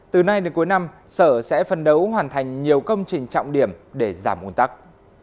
từ nay đến cuối năm sở sẽ phân đấu hoàn thành nhiều công trình trọng điểm để giảm nguồn tắc